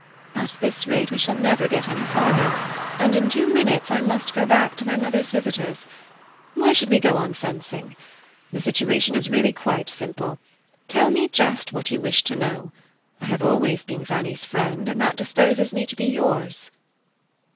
"At this rate we shall never get any farther; and in two minutes I must go back to my mother's visitors. Why should we go on fencing? The situation is really quite simple. Tell me just what you wish to know. I have always been Fanny's friend, and that disposes me to be yours."